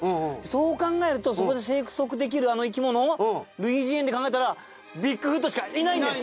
そう考えるとそこで生息できるあの生き物類人猿って考えたらビッグフットしかいないんです！